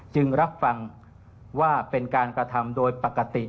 จึงรับฟังว่าเป็นการกระทำโดยปกติ